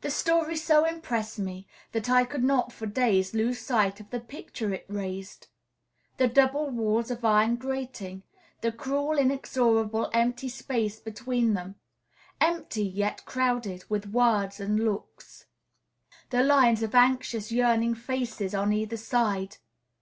The story so impressed me that I could not for days lose sight of the picture it raised; the double walls of iron grating; the cruel, inexorable, empty space between them, empty, yet crowded with words and looks; the lines of anxious, yearning faces on either side.